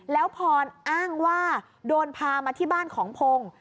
แล้วพรอ้างว่าโดนพามาที่บ้านของพงศ์